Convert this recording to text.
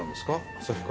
旭川